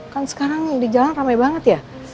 kan sekarang di jalan ramai banget ya